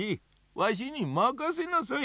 わしにまかせなさい。